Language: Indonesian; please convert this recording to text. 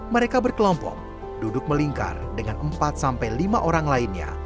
mereka berkelompok duduk melingkar dengan empat sampai lima orang lainnya